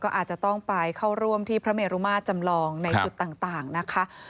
อาจจะต้องไปเข้าร่วมที่พระเมรุมาตรจำลองในจุดต่างนะคะ